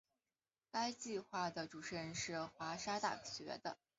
该计画的主持人是华沙大学的。